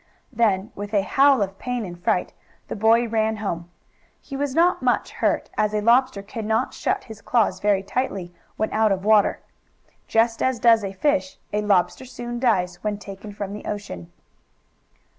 Then, with a howl of pain and fright, the boy ran home. He was not much hurt, as a lobster can not shut his claws very tightly when out of water. Just as does a fish, a lobster soon dies when taken from the ocean.